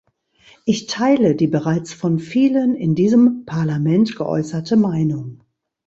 Ich teile die bereits von vielen in diesem Parlament geäußerte Meinung.